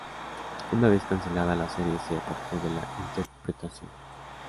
Una vez cancelada la serie, se apartó de la interpretación.